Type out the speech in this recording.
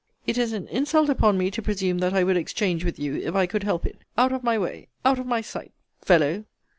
It is an insult upon me to presume that I would exchange with you, if I could help it! Out of my way! Out of my sight fellow!